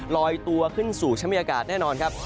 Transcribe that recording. ลอยตัวขึ้นสู่ชะมีอากาศแน่นอนครับ